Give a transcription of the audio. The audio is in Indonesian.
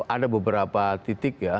ada beberapa titik ya